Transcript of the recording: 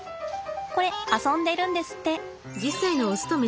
これ遊んでるんですって。